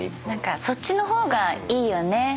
何かそっちの方がいいよね。